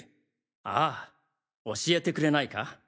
ああ教えてくれないか？